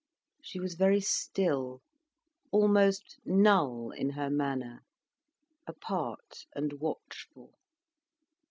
She was very still, almost null, in her manner, apart and watchful.